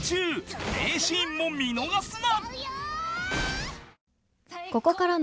［名シーンも見逃すな］